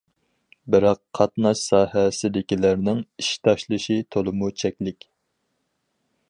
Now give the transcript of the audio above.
بىراق قاتناش ساھەسىدىكىلەرنىڭ ئىش تاشلىشى تولىمۇ چەكلىك.